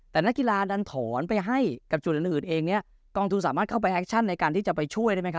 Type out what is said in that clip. แต่นักกีฬาดันถอนไปให้กับจุดอื่นเองเนี่ยกองทุนสามารถเข้าไปแอคชั่นในการที่จะไปช่วยได้ไหมค